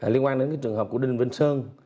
liên quan đến trường hợp của đinh vĩnh sơn